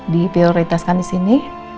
diprioritaskan di sini